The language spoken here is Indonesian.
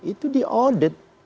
itu di audit